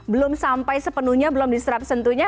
belum sampai sepenuhnya belum diserap sentuhnya